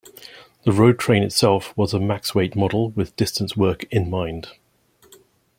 The Roadtrain itself was a max weight model with distance work in mind.